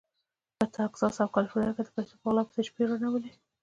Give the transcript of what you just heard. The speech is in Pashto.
په تګزاس او کالیفورنیا کې د پیسو په غلا پسې شپې روڼولې.